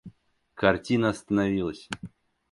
Картина остановилась.